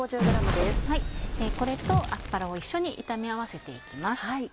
これとアスパラを一緒に炒め合わせていきます。